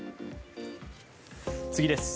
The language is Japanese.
次です。